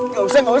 gak usah gak usah